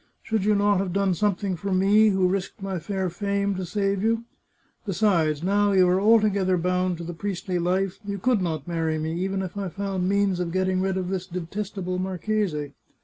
Should you not have done something for me, who risked my fair fame to save you ? Besides, now you are altogether bound to the priestly life, you could not marry me, even if I found means of getting rid of this de testable marchese.